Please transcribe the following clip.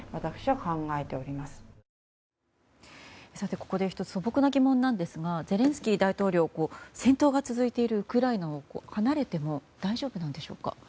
ここで１つ素朴な疑問なんですがゼレンスキー大統領戦闘が続いているウクライナを離れても大丈夫なんでしょうか。